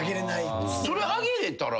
それあげられたら。